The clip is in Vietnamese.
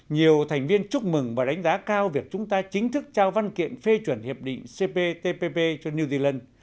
nhiều thành viên chúc mừng và đánh giá cao việc chúng ta chính thức trao văn kiện phê chuẩn hiệp định cptpp cho new zealand